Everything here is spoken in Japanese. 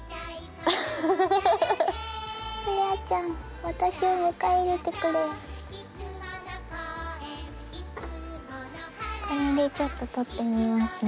フレアちゃん私を迎え入れてくれこれでちょっと撮ってみますね